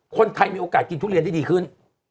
คนไทยมีโอกาสกินทุเรียนได้ดีขึ้น